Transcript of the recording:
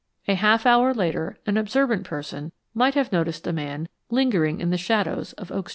A half hour later an observant person might have noticed a man lingering in the shadows of Oak Street.